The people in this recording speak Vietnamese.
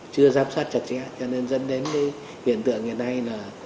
chưa giám sát chặt chẽ cho nên dẫn đến cái hiện tượng ngày nay là